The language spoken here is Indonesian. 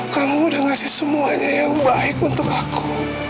kamu udah ngasih semuanya yang baik untuk aku